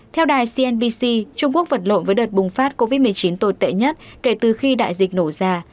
theo đài cnbc trung quốc vật lộn với đợt bùng phát covid một mươi chín tồi tệ nhất kể từ khi đại dịch nổ ra